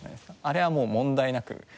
あれはもう問題なくはい。